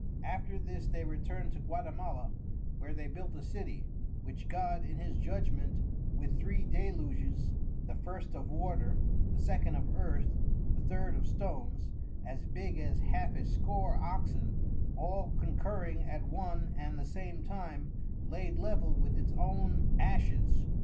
After this they return'd to Gautimala, where they built a City, which God in his Judgement with Three Deluges, the First of Water, the Second of Earth, the Third of Stones, as big as half a score Oxen, all concurring at one and the same time, laid Level with its own Ashes.